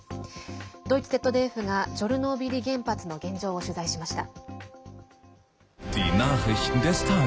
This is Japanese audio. ドイツＺＤＦがチョルノービリ原発の現状を取材しました。